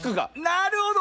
なるほど！